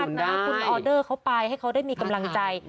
คุณออเดอร์เขาไปให้เขาได้มีกำลังใจ